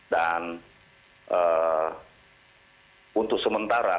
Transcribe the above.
dan untuk sementara